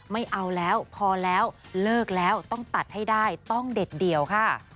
ไม่เอาแล้วพอแล้วเลิกแล้วต้องตัดให้ได้ต้องเด็ดเดี่ยวค่ะ